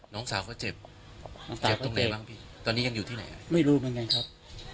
น้องสาวเขาเจ็บน้องเจ็บตรงไหนบ้างพี่ตอนนี้ยังอยู่ที่ไหนไม่รู้เหมือนกันครับ